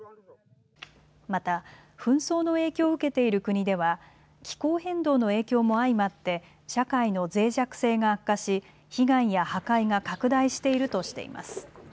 また、紛争の影響を受けている国では気候変動の影響も相まって社会のぜい弱性が悪化し被害や破壊が拡大しているとしています。